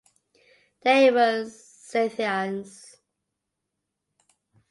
They were Scythians.